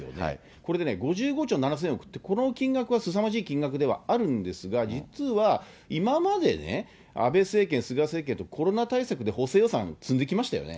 これでね、５５兆７０００億って、この金額はすさまじい金額ではあるんですが、実は、今までね、安倍政権、菅政権とコロナ対策で補正予算を積んできましたよね。